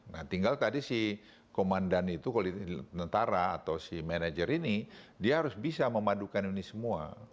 nah tinggal tadi si komandan itu kalau tentara atau si manajer ini dia harus bisa memadukan ini semua